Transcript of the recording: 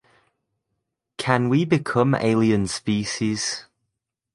Can we become alien species?